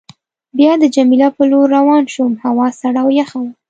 بیا د جميله په لور روان شوم، هوا سړه او یخه وه.